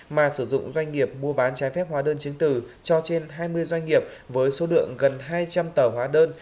mà sử dụng doanh nghiệp mua bán trái phép hóa đơn chứng tử cho trên hai mươi doanh nghiệp với số lượng gần hai trăm linh tờ hóa đơn